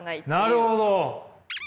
なるほど。